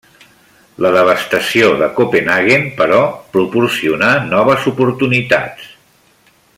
La devastació de Copenhaguen, però, proporcionà noves oportunitats.